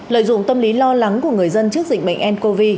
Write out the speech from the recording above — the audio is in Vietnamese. lợi dụng tâm lý lo lắng của người dân trước dịch bệnh ncov